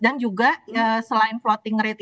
dan juga selain floating rate